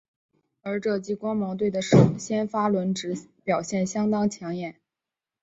而这季光芒队的先发轮值表现相当抢眼。